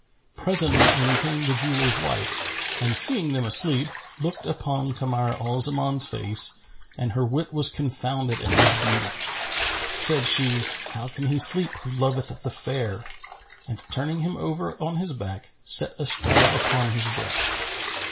Presently in came the jeweller's wife and seeing them asleep, looked upon Kamar al Zaman's face and her wit was confounded at his beauty. Said she, "How can he sleep who loveth the fair?" and, turning him over on his back, sat astraddle upon his breast.